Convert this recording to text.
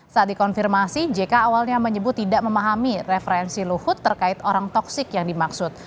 saat dikonfirmasi jk awalnya menyebut tidak memahami referensi luhut terkait orang toksik yang dimaksud